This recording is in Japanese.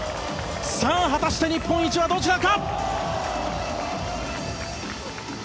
さあ、果たして日本一はどちらか。